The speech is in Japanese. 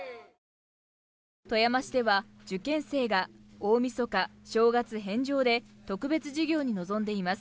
富山市では受験生が大みそか、正月返上で特別授業に臨んでいます。